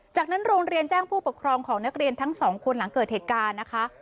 จากนั้นโรงเรียนแจ้งผู้ปกครองของนักเรียนทั้งสองคนหลังเกิดเหตุการณ์นะคะ